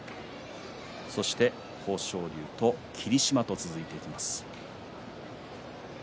そして豊昇龍と霧島と続いていきます。